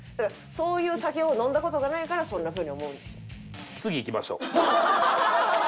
そういう酒を飲んだ事がないからそんなふうに思うんですよ。